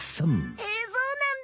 へえそうなんだ。